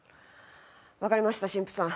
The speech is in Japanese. わかりました神父さん。